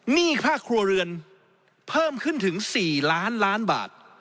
หนี้ค่าครัวเรือนเพิ่มขึ้นถึง๔ล้านล้านบาท